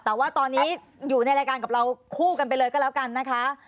แต่ว่าตอนนี้อยู่ในรายการกับเราคู่กันไปเลยก็แล้วกันนะคะ